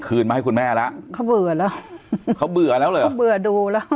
มาให้คุณแม่แล้วเขาเบื่อแล้วเขาเบื่อแล้วเหรอเขาเบื่อดูแล้ว